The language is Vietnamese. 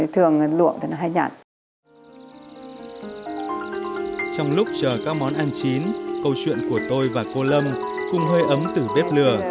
trong lúc chờ các món ăn chín câu chuyện của tôi và cô lâm cũng hơi ấm từ bếp lửa